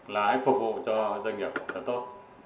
là hãy phục vụ cho doanh nghiệp cho tốt